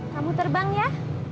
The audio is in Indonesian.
kamu terbang ya